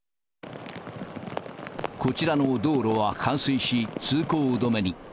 こちらの道路は冠水し、通行止めに。